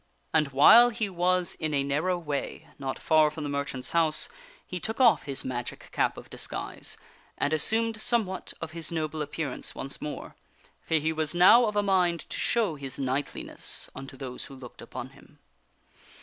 And while he was in a narrow way, not far from the merchant's house, he took off his magic cap of disguise and assumed somewhat of his noble appearance once more, for he was now of a mind to show his knightliness unto those who looked upon him.